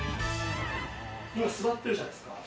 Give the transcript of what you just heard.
今、座ってるじゃないですか。